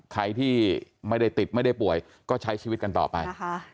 ใครที่ไม่ได้ติดไม่ได้ป่วยก็ใช้ชีวิตกันต่อไป